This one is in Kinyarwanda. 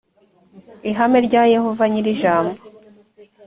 ihame rya yehova nyir’ijambo